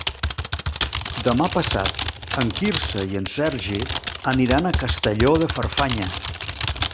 Demà passat en Quirze i en Sergi aniran a Castelló de Farfanya.